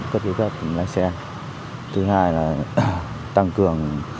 về thời gian chương trình các quy định của bộ